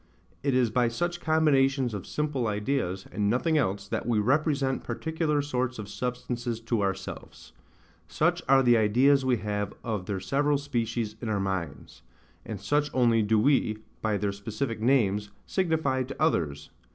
It is by such combinations of simple ideas, and nothing else, that we represent particular sorts of substances to ourselves; such are the ideas we have of their several species in our minds; and such only do we, by their specific names, signify to others, v.